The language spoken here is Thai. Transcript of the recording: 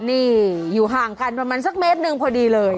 นี่อยู่ห่างกันประมาณสักเมตรหนึ่งพอดีเลย